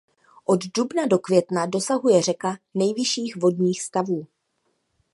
Od dubna do května dosahuje řeka nejvyšších vodních stavů.